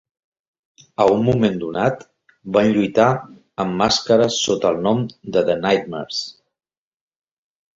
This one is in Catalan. A un moment donat, van lluitar amb màscares sota el nom de The Nightmares.